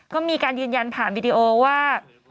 ก็มีการยืนยันผ่านวิดีโอว่า